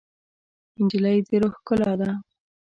نجلۍ د روح ښکلا ده.